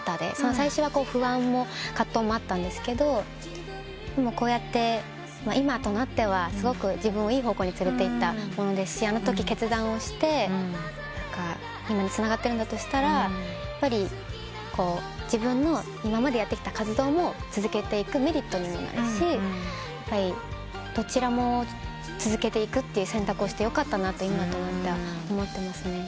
最初は不安も葛藤もあったんですけどでもこうやって今となってはすごく自分をいい方向に連れていったものですしあのとき決断をして今につながってるんだとしたら自分の今までやってきた活動も続けていくメリットにもなるしどちらも続けていくという選択をしてよかったなと今となっては思ってますね。